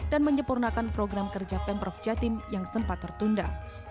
dan menyempurnakan program kerja pemprov jatim yang sempat tertunda